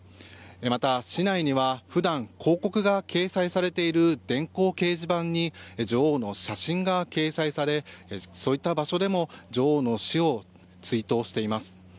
また市内には普段、広告が掲載されている電光掲示板に女王の写真が掲載されそういった場所でも女王の死を追悼しています。